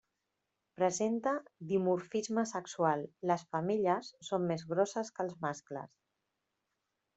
Presenta dimorfisme sexual: les femelles són més grosses que els mascles.